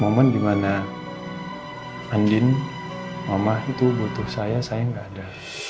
momen di mana andin mama itu butuh saya saya nggak ada